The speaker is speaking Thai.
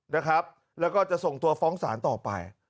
แล้วก็จะส่งตัวฟ้องสารต่อไป